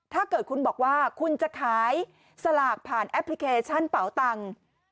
ถ้าเกิดคุณบอกว่าคุณจะขายสลากผ่านแอปพลิเคชันเป๋าตังค์